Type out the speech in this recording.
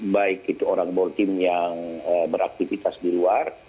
baik itu orang bol tim yang beraktivitas di luar